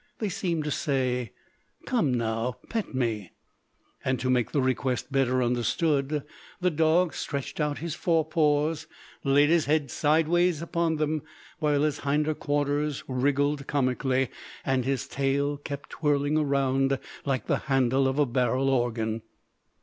They seemed to say: "Come now, pet me." And to make the request better understood the dog stretched out his fore paws, and laid his head sideways upon them, while his hinder quarters wriggled comically, and his tail kept twirling round like the handle of a barrel organ.